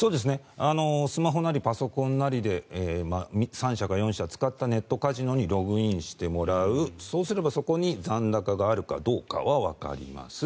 スマホなりパソコンなりで３社か４社使ったネットカジノにログインしてもらうそうすればそこに残高があるかどうかはわかります。